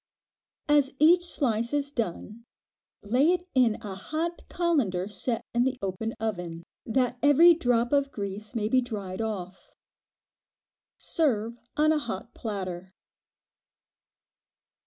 As each slice is done, lay it in a hot colander set in the open oven, that every drop of grease may be dried off. Serve on a hot platter.